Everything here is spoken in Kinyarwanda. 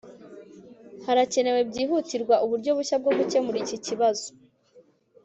harakenewe byihutirwa uburyo bushya bwo gukemura iki kibazo